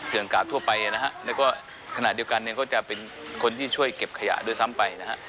อย่างกาดทั่วไปนะฮะแล้วก็ขณะเดียวกันเนี่ยก็จะเป็นคนที่ช่วยเก็บขยะด้วยซ้ำไปนะฮะ